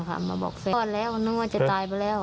กลับไปก็นึกว่าจะตายไปแล้ว